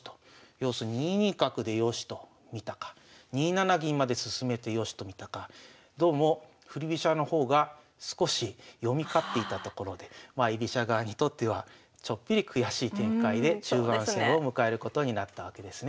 要するに２二角で良しと見たか２七銀まで進めて良しと見たかどうも振り飛車の方が少し読み勝っていたところで居飛車側にとってはちょっぴり悔しい展開で中盤戦を迎えることになったわけですね。